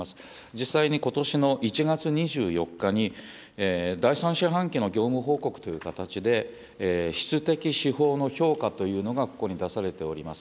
実際にことしの１月２４日に、第３四半期の業務報告という形で、質的指標の評価というのがここに出されております。